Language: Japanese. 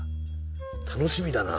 楽しみだな。